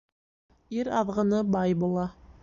Ир аҙғыны бай була.